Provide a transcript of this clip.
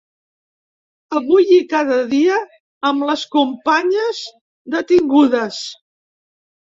Avui, i cada dia, amb les companyes detingudes.